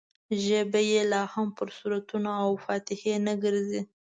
ژبه یې لا هم پر سورتونو او فاتحې نه ګرځي.